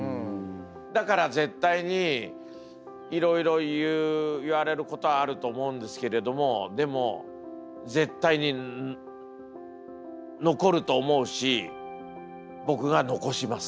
だから絶対にいろいろ言われることはあると思うんですけれどもでも絶対に残ると思うし僕が残します。